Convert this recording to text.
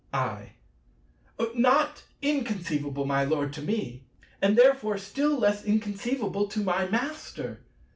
I. Not inconceivable, my Lord, to me, and therefore still less inconceivable to my Master.